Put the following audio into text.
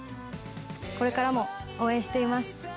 これからも応援しています。